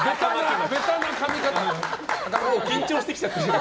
緊張してきちゃってる。